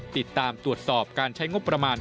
ติดตามตรวจสอบการใช้งบประมาณ